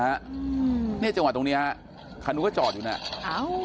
เนี้ยจังหวะตรงเนี้ยฮะคันนู้นก็จอดอยู่น่ะอ้าว